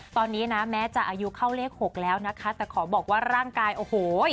ตอนนี้นะแม้จะอายุเข้าเลข๖แล้วนะคะแต่ขอบอกว่าร่างกายโอ้โห